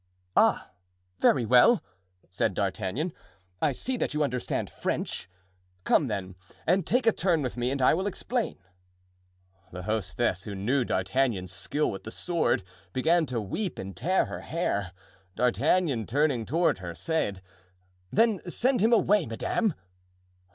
"Ah, very well!" said D'Artagnan; "I see that you understand French. Come then, and take a turn with me and I will explain." The hostess, who knew D'Artagnan's skill with the sword, began to weep and tear her hair. D'Artagnan turned toward her, saying, "Then send him away, madame."